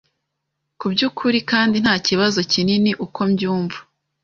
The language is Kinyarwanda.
Kubyukuri ... kandi ntakibazo kinini uko mbyumva ...